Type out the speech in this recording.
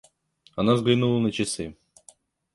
Она взглянула на часы.